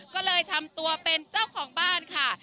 ก็เลยทำตัวเป็นเจ้าของบ้านค่ะ